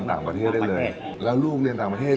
ไม่ได้เช่าใครเลย